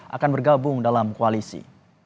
akan bergabung dalam koalisi